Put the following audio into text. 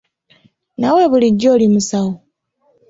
Naawe bulijjo oli musawo?